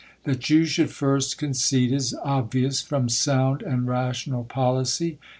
Thatyow should first concede, is obvious from sound and rational policy.